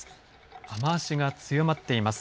雨足が強まっています。